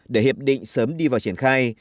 để hiệp định sớm đi vào triển khai